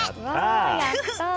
やったー！